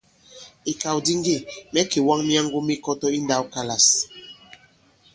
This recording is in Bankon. Ìkàw di ŋgê mɛ̌ kèwaŋ myaŋgo mi Kɔtɔ i ǹndãwkalâs.